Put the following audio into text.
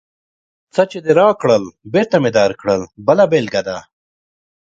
څه چې دې راکړل، بېرته مې درکړل بله بېلګه ده.